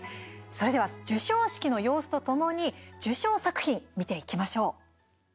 それでは授賞式の様子とともに受賞作品、見ていきましょう。